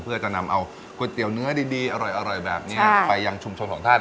เพื่อจะนำเอาก๋วยเตี๋ยวเนื้อดีอร่อยแบบนี้ไปยังชุมชนของท่าน